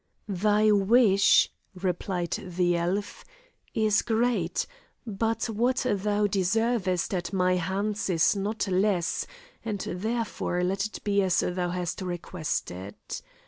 "Thy wish," replied the elf, "is great, but what thou deservest at my hands is not less, and therefore let it be as thou hast requested.